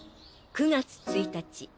９月１日。